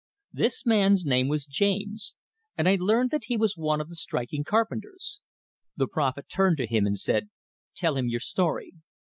This man's name was James, and I learned that he was one of the striking carpenters. The prophet turned to him, and said: "Tell him your story."